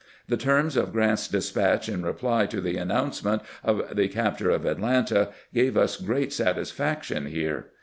The terms of Grant's despatch in reply to the announcement of the capture of Atlanta gave us great gratification here.